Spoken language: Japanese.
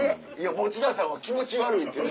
持田さんは「気持ち悪い」って言うて。